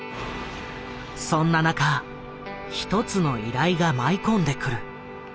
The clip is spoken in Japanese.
そんな中一つの依頼が舞い込んでくる。